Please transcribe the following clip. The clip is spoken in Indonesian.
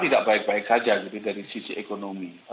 tidak baik baik saja jadi dari sisi ekonomi